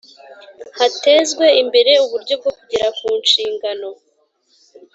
hatezwe imbere uburyo bwo kugera kunshingano